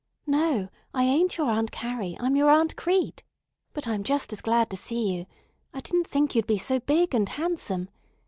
"No, I ain't your Aunt Carrie, I'm your Aunt Crete; but I'm just as glad to see you. I didn't think you'd be so big and handsome.